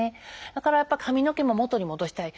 だからやっぱ髪の毛も元に戻したい。